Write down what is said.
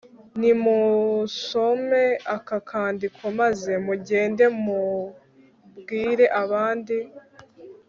nimusome aka kandiko maze mugende mubwire abandi